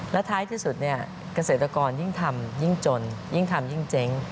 และท้ายที่สุดเนี่ยเกษตรกรยิ่งทำยิ่งจนยิ่งทำยิ่งเจ๊ง